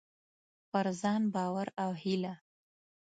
پر ځان باور او هيله: